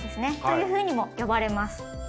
というふうにも呼ばれます。